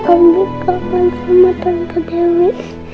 abi kawan sama tante dewi